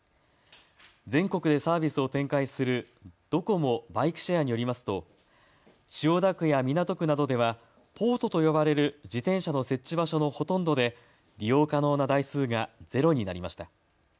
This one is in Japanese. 全国でサービスを展開するドコモ・バイクシェアによりますと千代田区や港区などではポートと呼ばれる自転車の設置場所のほとんどで利用可能な台数が０になりました。